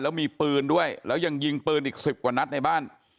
แล้วมีปืนด้วยแล้วยังยิงปืนอีก๑๐กว่านัดในบ้าน